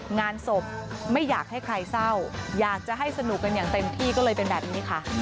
งานศพไม่อยากให้ใครเศร้าอยากจะให้สนุกกันอย่างเต็มที่ก็เลยเป็นแบบนี้ค่ะ